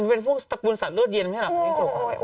มันเป็นพวกสัตว์สัตว์เลือดเย็นไม่ใช่หรือ